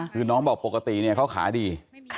คือน้องบอกปกติเนี่ยเขาขาดี